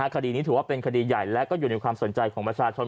คดีนี้ถือว่าเป็นคดีใหญ่และก็อยู่ในความสนใจของประชาชน